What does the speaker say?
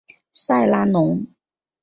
塞拉农。